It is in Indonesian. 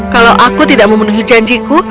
kalau aku tidak memenuhi janjiku